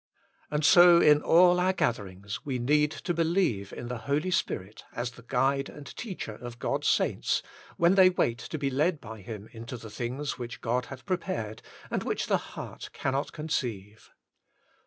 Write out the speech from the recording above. And so in all our gatherings we need to believe in the Holy Spirit as the Guide and Teacher of God's saints when they wait to be led by Him into the things which God hath prepared, and which the heart cannot conceive.